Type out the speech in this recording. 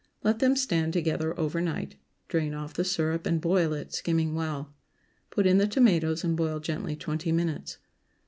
Let them stand together over night. Drain off the syrup and boil it, skimming well. Put in the tomatoes and boil gently twenty minutes.